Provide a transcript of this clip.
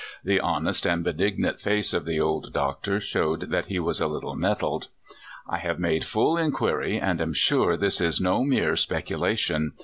The honest and benignant face of the old Doctor showed that he was a little nettled. " I have made full inquiry, and am sure this is no mere speculation.